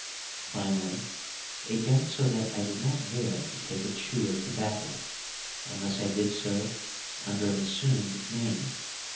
Finally, it got so that I did not dare to take a chew of tobacco, unless I did so under an assumed name.